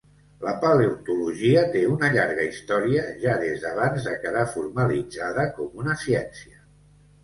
La paleontologia té una llarga història ja des d'abans de quedar formalitzada com una ciència.